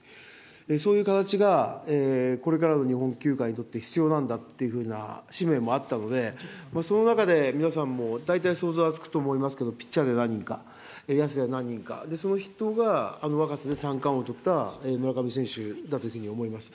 そういう形がこれからの日本球界にとって必要なんだっていうふうな使命もあったので、その中で、皆さんも大体想像はつくと思いますけど、ピッチャーで何人か、野手で何人か、その人があの若さで三冠王をとった村上選手だというふうに思います。